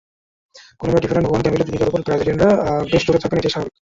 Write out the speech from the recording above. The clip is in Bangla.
কলম্বিয়ান ডিফেন্ডার হুয়ান ক্যামিলো জুনিগার ওপর ব্রাজিলীয়রা বেশ চটে থাকবেন, এটাই স্বাভাবিক।